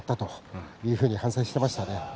そういうふうに反省をしていました。